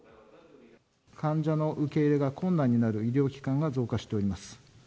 患者の受け入れが困難になる医療機関が増加しております。